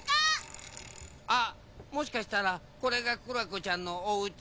あっもしかしたらこれがクラコちゃんのおうち？